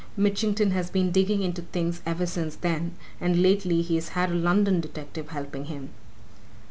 Mitchington has been digging into things ever since then, and lately he's had a London detective helping him."